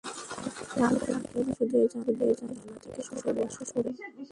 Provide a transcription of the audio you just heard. তার চোখের দিকে তাকিও না শুধু এই জানালা থেকে সরে বসো সরে বসো।